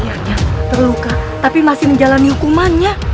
ayahnya terluka tapi masih menjalani hukumannya